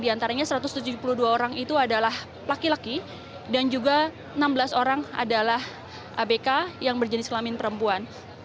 di antaranya satu ratus tujuh puluh dua orang itu adalah laki laki dan juga enam belas orang adalah abk yang berjenis kelamin perempuan